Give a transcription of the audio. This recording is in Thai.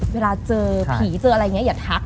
เวลาเจอผีเจออะไรอย่างนี้อย่าทัก